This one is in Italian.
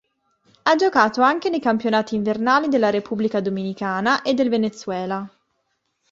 Ha giocato anche nei campionati invernali della Repubblica Dominicana e del Venezuela.